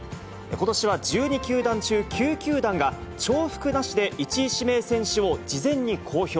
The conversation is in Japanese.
ことしは１２球団中、９球団が重複なしで１位指名選手を事前に公表。